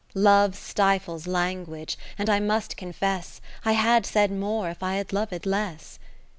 Love stifles language, and I must confess, I had said more, if I had loved less.